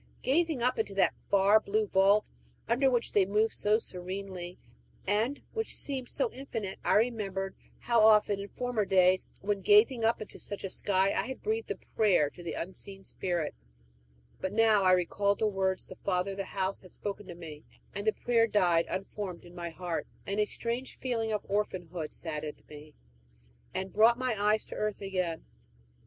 Gazing up into that far blue vault, under which they moved so serenely, and which seemed so infinite, I remembered how often in former days, when gazing up into such a sky, I had breathed a prayer to the Unseen Spirit; but now I recalled the words the father of the house had spoken to me, and the prayer died unformed in my heart, and a strange feeling of orphanhood saddened me, and brought my eyes to earth again.